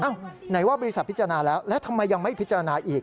ไหนว่าบริษัทพิจารณาแล้วแล้วทำไมยังไม่พิจารณาอีก